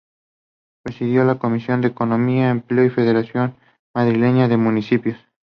The colour blue stood for the male principle in his own colour theory.